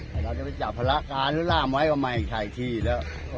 แต่เราจะไปจับร่ากรรรณหรือร้ามไว้กว่าไม่คะอีกทีเลย